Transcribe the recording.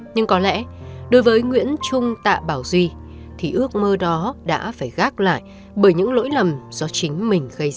nhưng có lẽ đối với nguyễn trung tạ bảo duy thì ước mơ đó đã phải gác lại bởi những lỗi lầm do chính mình gây ra